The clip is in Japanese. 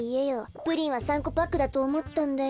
プリンは３こパックだとおもったんだよ。